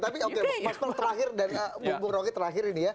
mas mel terakhir dan bung bung roket terakhir ini ya